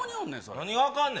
何があかんねん。